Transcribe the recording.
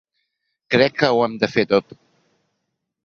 Crec que ho hem de fer tot.